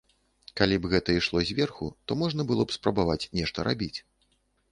Калі б гэта ішло зверху, то можна б было спрабаваць нешта рабіць.